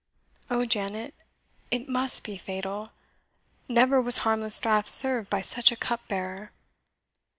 O Janet! it must be fatal; never was harmless draught served by such a cup bearer!"